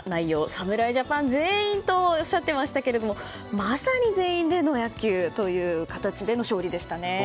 侍ジャパン全員とおっしゃっていましたがまさに全員での野球という形での勝利でしたね。